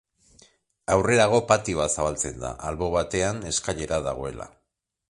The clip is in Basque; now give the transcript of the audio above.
Aurrerago patioa zabaltzen da, albo batean eskailera dagoela.